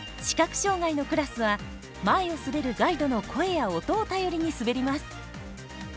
視覚障がいのクラスは前を滑るガイドの声や音を頼りに滑ります。